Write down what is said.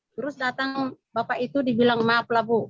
terus datang bapak itu dibilang maaflah bu